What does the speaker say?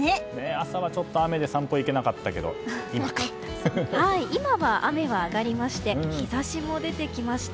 朝はちょっと雨で散歩に行けなかったけどはい、今は雨はあがりまして日差しも出てきました。